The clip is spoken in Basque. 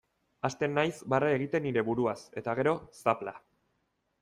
Hasten naiz barre egiten nire buruaz, eta gero, zapla.